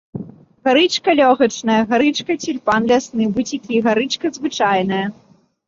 Гарычка лёгачная, гарычка, цюльпан лясны, буцікі, гарычка звычайная.